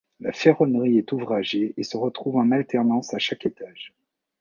La ferronnerie est ouvragée et se retrouve en alternance à chaque étage.